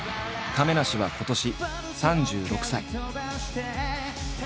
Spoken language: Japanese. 亀梨は今年３６歳。